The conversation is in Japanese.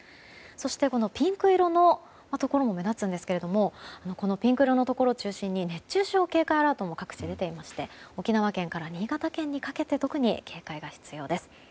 そしてピンク色のところも目立つんですがこのピンク色のところを中心に熱中症警戒アラートも各地、出ていまして沖縄県から新潟県にかけて特に警戒が必要です。